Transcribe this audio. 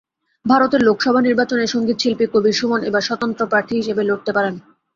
ভারতের লোকসভা নির্বাচনে সংগীতশিল্পী কবীর সুমন এবার স্বতন্ত্র প্রার্থী হিসেবে লড়তে পারেন।